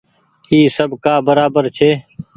اي سب ڪآ برابر ڇي۔